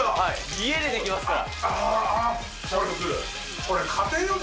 家でできますから。